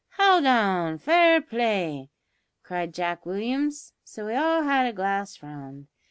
`Howld on; fair play!' cried Jack Williams, so we all had a glass round.